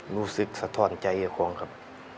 รู้สึกสะท้อนใจครับครับ